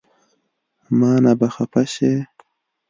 مانه به خفه شې